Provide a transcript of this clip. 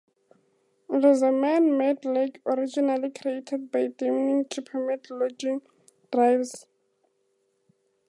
It is a man made lake originally created by damming to permit logging drives.